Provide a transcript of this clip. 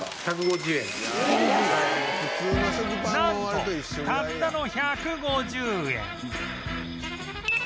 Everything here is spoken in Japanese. なんとたったの１５０円